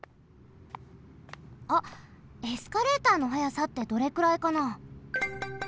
あっエスカレーターの速さってどれくらいかな？